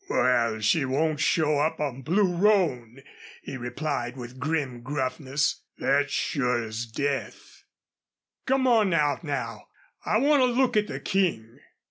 "Wal, she won't show up on Blue Roan," he replied, with grim gruffness. "Thet's sure as death.... Come on out now. I want a look at the King."